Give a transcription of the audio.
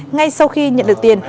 ngay sau khi nhận được tiền